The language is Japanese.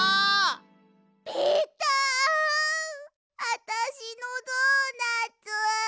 あたしのドーナツ。